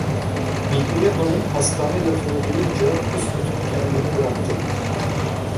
Mihriye hanım hastane lafını duyunca büsbütün kendini bıraktı.